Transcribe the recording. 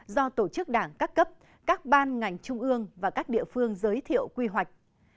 do tổ chức đảng các cấp các ban ngành trung ương và các địa phương giới thiệu quy hoạch